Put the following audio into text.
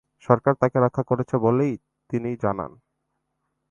সরকার তাকে রক্ষা করছে বলেও তিনি জানান।